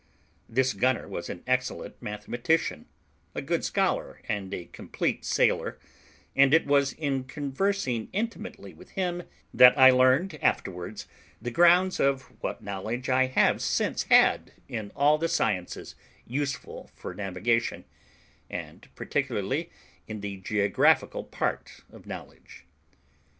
This gunner was an excellent mathematician, a good scholar, and a complete sailor; and it was in conversing intimately with him that I learned afterwards the grounds of what knowledge I have since had in all the sciences useful for navigation, and particularly in the geographical part of knowledge.